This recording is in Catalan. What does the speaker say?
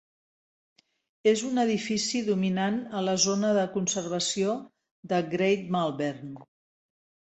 És un edifici dominant a la zona de conservació de Great Malvern.